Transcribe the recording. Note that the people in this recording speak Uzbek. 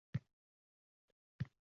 Menimcha, bu tarbiyadan bo‘lsa kerak.